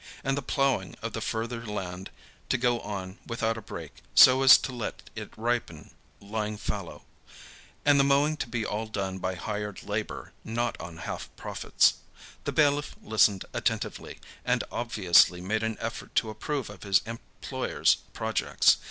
And the ploughing of the further land to go on without a break so as to let it ripen lying fallow. And the mowing to be all done by hired labor, not on half profits. The bailiff listened attentively, and obviously made an effort to approve of his employer's projects.